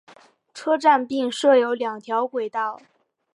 车站并设有两条轨道。